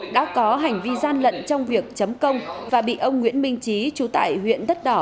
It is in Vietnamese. đã có hành vi gian lận trong việc chấm công và bị ông nguyễn minh trí chú tại huyện đất đỏ